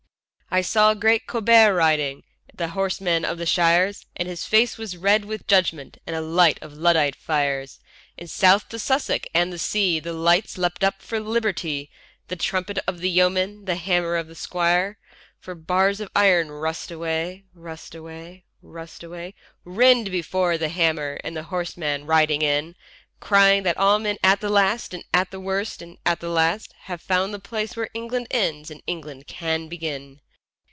I saw great Cobbett riding, The horseman of the shires; And his face was red with judgment And a light of Luddite fires: And south to Sussex and the sea the lights leapt up for liberty, The trumpet of the yeomanry, the hammer of the squires; For bars of iron rust away, rust away, rust away, Rend before the hammer and the horseman riding in, Crying that all men at the last, and at the worst and at the last, Have found the place where England ends and England can begin.